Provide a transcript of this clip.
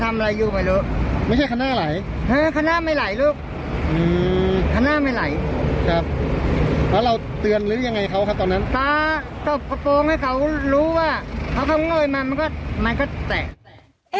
ตาก็โปร่งให้เขารู้ว่าเพราะเขาเงยมามันก็มันก็แตะ